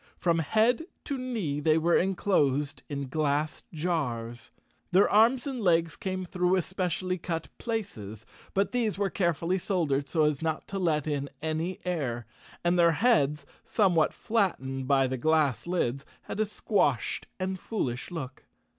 From head to knee they were enclosed in glass jars. Their arms and legs came through especially cut places, but these were carefully soldered so as not to let in any air. And their heads, somewhat flattened by the glass lids, had a squashed and foolish look.